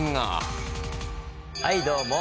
はいどうも。